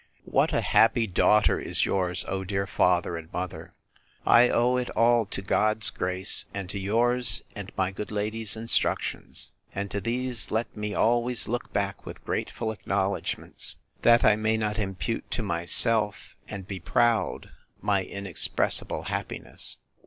What a happy daughter is yours, O my dear father and mother! I owe it all to God's grace, and to yours and my good lady's instructions: And to these let me always look back with grateful acknowledgments, that I may not impute to myself, and be proud, my inexpressible happiness.